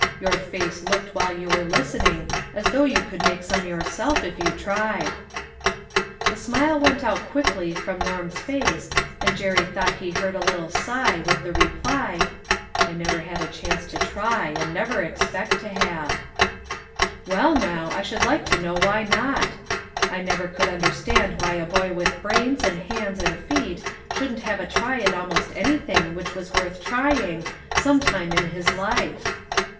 Your face looked while you were listening as though you could make some yourself if you tried." The smile went out quickly from Norm's face, and Jerry thought he heard a little sigh with the reply :" I never had a chance to try ; and never ex pect to have." 326 LITTLE FISHERS: AND THEIR NETS. i* Well, now, I should like to know why not ? I never could understand why a boy with brains, and hands, and feet, shouldn't have a try at almost anything which was worth trying, some time in his life."